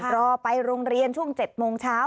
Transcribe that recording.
รอไปโรงเรียนช่วง๗โมงเช้า